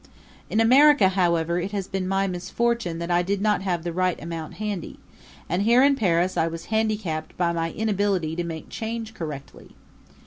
In America, however, it has been my misfortune that I did not have the right amount handy; and here in Paris I was handicapped by my inability to make change correctly.